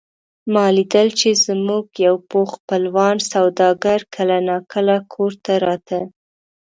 ما لیدل چې زموږ یو پوخ خپلوان سوداګر کله نا کله کور ته راته.